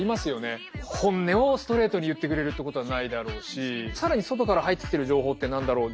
本音をストレートに言ってくれるってことはないだろうし更に外から入ってきてる情報って何だろう